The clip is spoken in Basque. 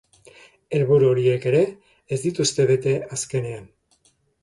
Helburu horiek ere ez dituzte bete azkenean.